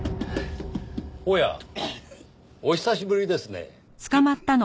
おやお久しぶりですね。